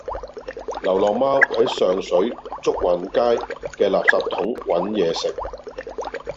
流浪貓喺上水祝運街嘅垃圾桶搵野食